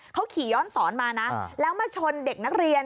เขาขี่ย้อนศรมาแล้วมาโถ่เด็กนักเรียน